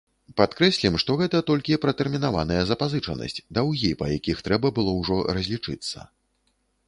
Падкрэслім, што гэта толькі пратэрмінаваная запазычанасць, даўгі, па якіх трэба было ўжо разлічыцца.